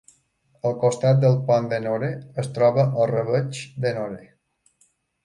Al costat del port d'Ennore, es troba el rabeig d'Ennore.